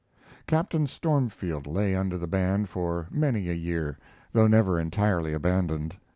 "Captain Stormfield" lay under the ban for many a year, though never entirely abandoned.